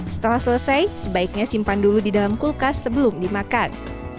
setelah selesai sebaiknya simpan dulu di dalam kulkas sebelum dimakan